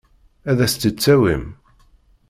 Ad as-t-id-tawim?